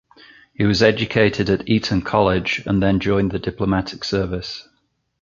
He was educated at Eton College and then joined the Diplomatic Service.